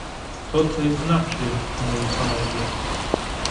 "To coś znaczy, moi panowie!"